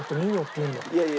いやいや。